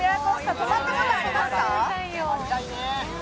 泊まったことありますか？